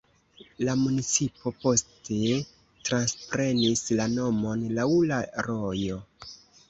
La municipo poste transprenis la nomon laŭ la rojo.